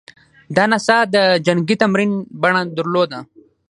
دا نڅا د جنګي تمرین بڼه درلوده